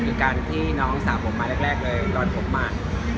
คือการที่น้องสาวผมมาแรกก็เลยก่อนมา